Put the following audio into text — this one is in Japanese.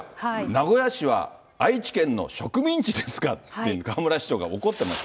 名古屋市は愛知県の植民地ですかって、河村市長が怒ってます。